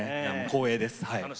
光栄です。